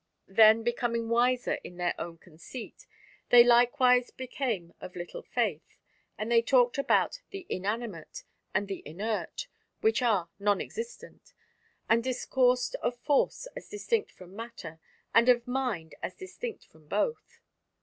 Then becoming wiser in their own conceit, they likewise became of little faith; and they talked about "the Inanimate" and "the Inert," which are nonexistent, and discoursed of Force as distinct from Matter, and of Mind as distinct from both.